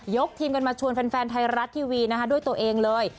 ทีมกันมาชวนแฟนไทยรัฐทีวีนะคะด้วยตัวเองเลย